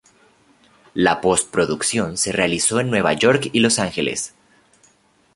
La post-producción se realizó en Nueva York y Los Ángeles.